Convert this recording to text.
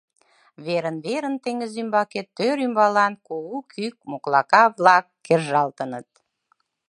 Верын-верын теҥыз ӱмбаке тӧр ӱмбалан кугу кӱ моклака-влак кержалтыныт.